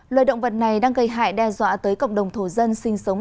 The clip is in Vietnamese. loài động vật này đang gây hại đe dọa tới cộng đồng thổ dân sinh sống